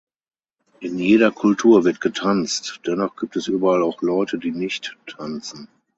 In jeder Kultur wird getanzt, dennoch gibt es überall auch Leute, die nicht tanzen.